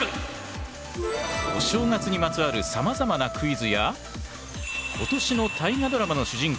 お正月にまつわるさまざまなクイズや今年の大河ドラマの主人公